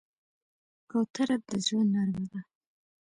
کوتره د زړه نرمه ده.